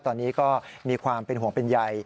ตอนนี้ก็มีความเป็นห่วงเป็นใย